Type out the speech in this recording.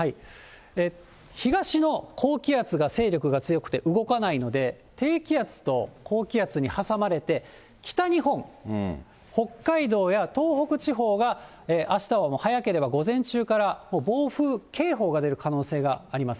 東の高気圧が勢力が強くて動かないので、低気圧と高気圧に挟まれて、北日本、北海道や東北地方は、あしたは早ければ、午前中から暴風警報が出るおそれがあります。